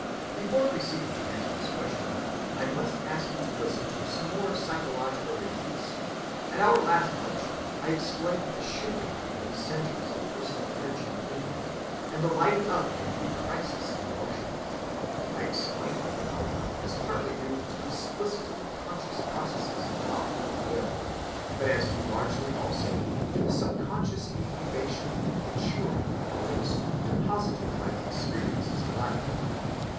Before proceeding to answer this question, I must ask you to listen to some more psychological remarks. At our last lecture, I explained the shifting of men's centres of personal energy within them and the lighting up of new crises of emotion. I explained the phenomena as partly due to explicitly conscious processes of thought and will, but as due largely also to the subconscious incubation and maturing of motives deposited by the experiences of life.